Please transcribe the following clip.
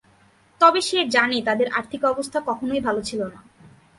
তবে সে জানে তাদের আর্থিক অবস্থা কখনই ভালো ছিলা না।